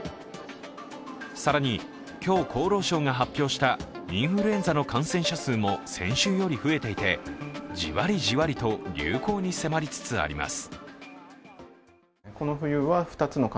更に今日、厚労省が発表したインフルエンザの感染者数も先週より増えていてじわりじわりと流行に迫りつつあります。